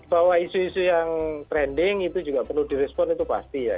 bahwa isu isu yang trending itu juga perlu direspon itu pasti ya